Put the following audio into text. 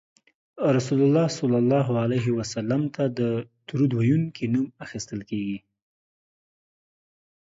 رسول الله ته د درود ویونکي نوم اخیستل کیږي